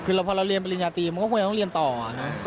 คือพอเราเรียนปริญญาตรีมันก็ควรจะต้องเรียนต่อนะ